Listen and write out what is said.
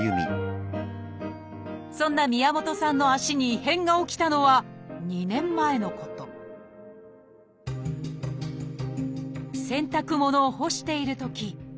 そんな宮本さんの足に異変が起きたのは２年前のこと洗濯物を干しているとき